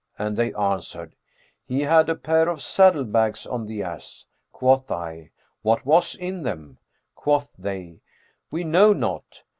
and they answered, 'He had a pair of saddle bags on the ass.' Quoth I, 'What was in them?'; quoth they, 'We know not.'